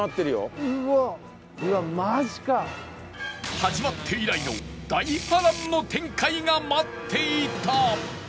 始まって以来の大波乱の展開が待っていた